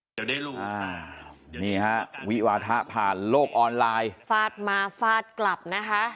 จะได้รู้นี่ฮะวิวาทะผ่านโลกออนไลน์ฟาดมาฟาดกลับนะคะ